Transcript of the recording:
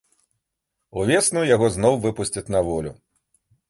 Увесну яго зноў выпусцяць на волю.